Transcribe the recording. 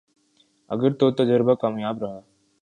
اگر تو تجربہ کامیاب رہا